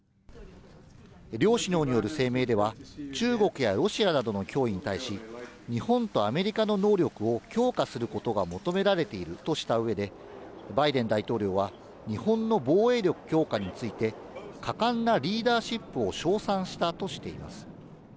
両首脳による声明では、中国やロシアなどの脅威に対し、日本とアメリカの能力を強化することが求められているとしたうえで、バイデン大統領は、日本の防衛力強化について、果敢なリーダーシップを称賛したとしています。